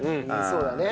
そうだね。